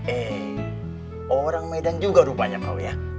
eh orang medan juga rupanya kau ya